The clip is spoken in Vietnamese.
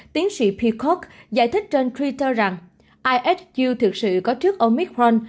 tiến sĩ peacock giải thích trên twitter rằng ihu thực sự có trước omicron